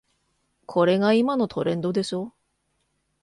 これが今のトレンドでしょ